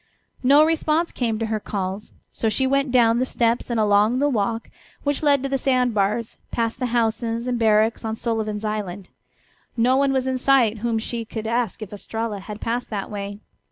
No response came to her calls, so she went down the steps and along the walk which led to the sand bars, past the houses and barracks on Sullivan's island. No one was in sight whom she could ask if Estralla had passed that way.